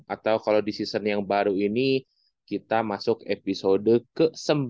atau kalau di season yang baru ini kita masuk episode ke sembilan